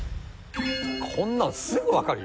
こんなんすぐわかるよ。